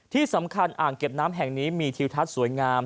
ที่สำคัญอ่างเก็บน้ำแห่งนี้มีทิวทัศน์สวยงาม